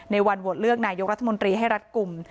วันโหวตเลือกนายกรัฐมนตรีให้รัฐกลุ่ม